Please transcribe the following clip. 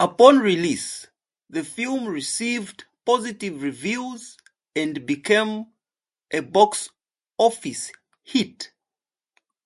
Upon release, the film received positive reviews and became a box office hit.